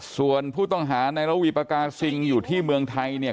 ส่วนผู้ต้องหาในระวีปากาซิงอยู่ที่เมืองไทยเนี่ย